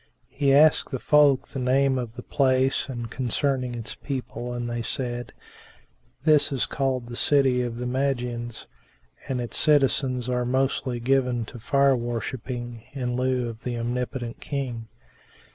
He asked the folk the name of the place and concerning its people and they said, "This is called the City of the Magians, and its citizens are mostly given to Fire worshipping in lieu of the Omnipotent King."